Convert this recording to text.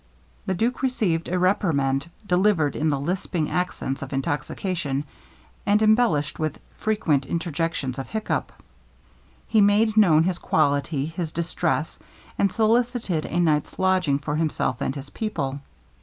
The duke received a reprimand, delivered in the lisping accents of intoxication, and embellished with frequent interjections of hiccup. He made known his quality, his distress, and solicited a night's lodging for himself and his people.